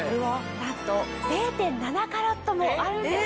なんと０．７ｃｔもあるんです。